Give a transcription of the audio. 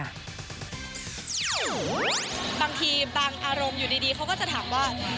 บางทีบางอารมณ์อยู่ดีเขาก็จะถามว่า